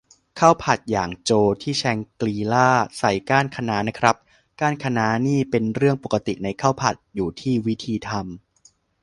ข้าวผัดหยางโจวที่แชงกรีลาใส่ก้านคะน้านะครับ ก้านคะน้านี่เป็นเรื่องปกติในข้าวผัด อยู่ที่วิธีทำ